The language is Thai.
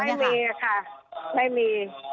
ไม่มีค่ะไม่มี